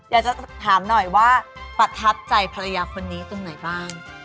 อยากจะถามหน่อยว่าประทับใจภรรยาคนนี้ตรงไหนบ้าง